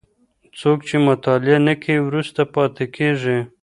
څوک چي مطالعه نه کوي وروسته پاتې کيږي.